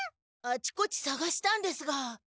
あちこちさがしたんですが。